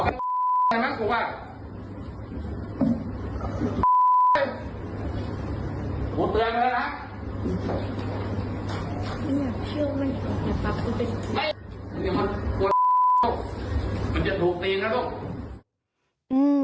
มันจะถูกตีนะลูก